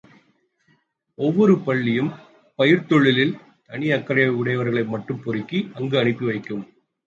ஒவ்வொரு பள்ளியும், பயிர்த்தொழிலில் தனி அக்கறை உடையவர்களை மட்டும் பொறுக்கி, அங்கு அனுப்பி வைக்கும்.